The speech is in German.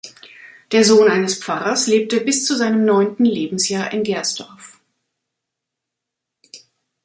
Der Sohn eines Pfarrers lebte bis zu seinem neunten Lebensjahr in Gersdorf.